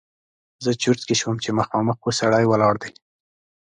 زه چرت کې شوم چې مخامخ خو سړی ولاړ دی!